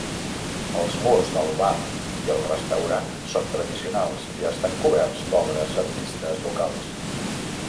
Els murs del bar i el restaurant són tradicionals i estan coberts d'obres d'artistes locals.